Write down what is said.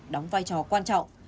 đóng vai trò quan trọng